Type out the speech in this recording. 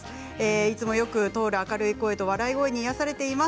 いつもよく通る明るい声で笑い声に癒やされています。